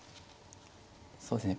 そうですね